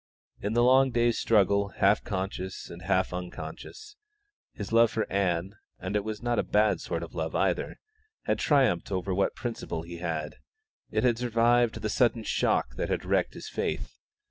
In the long day's struggle, half conscious and half unconscious, his love for Ann and it was not a bad sort of love either had triumphed over what principle he had; it had survived the sudden shock that had wrecked his faith.